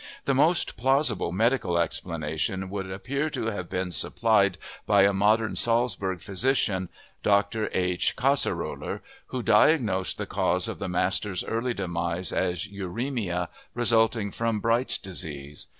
The most plausible medical explanation would appear to have been supplied by a modern Salzburg physician, Dr. H. Kasseroller, who diagnosed the cause of the master's early demise as uremia resulting from Bright's disease.